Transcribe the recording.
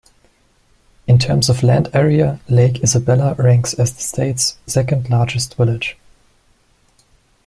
In terms of land area, Lake Isabella ranks as the state's second largest village.